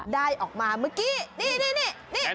ได้ออกมาเมื่อกี้นี่